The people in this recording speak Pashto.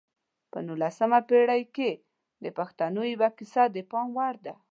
په نولسمه پېړۍ کې د پښتنو یوه کیسه د پام وړ ده.